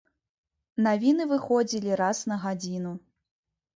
Навіны выходзілі раз на гадзіну.